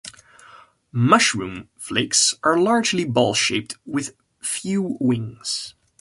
"Mushroom" flakes are largely ball-shaped, with few wings.